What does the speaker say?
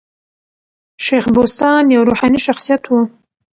شېخ بُستان یو روحاني شخصیت وو.